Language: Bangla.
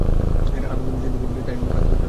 আনন্দ মিছিলটি ধীরে ধীরে তানঈম প্রান্তরে এসে পৌঁছল।